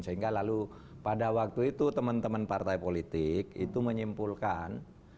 sehingga lalu pada waktu itu teman teman partai politik itu menyimpulkan